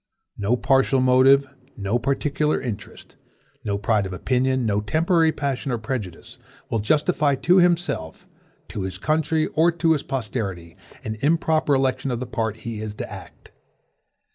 No partial motive, no particular interest, no pride of opinion, no temporary passion or prejudice, will justify to himself, to his country, or to his posterity, an improper election of the part he is to act.